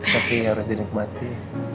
tapi harus dinikmati